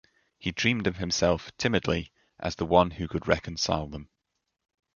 He dreamed of himself, timidly, as the one who could reconcile them.